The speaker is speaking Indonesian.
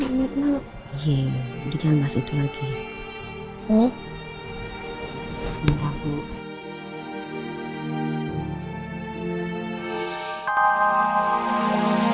gue gak pernah maksud mirna